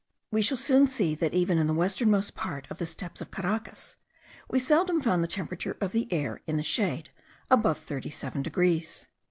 We shall soon see that, even in the westernmost part of the steppes of Caracas, we seldom found the temperature of the air, in the shade, above 37 degrees.